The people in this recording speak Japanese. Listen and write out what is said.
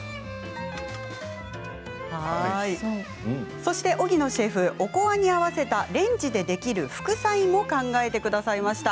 そして、荻野シェフおこわに合わせたレンジでできる副菜も考えてくださいました。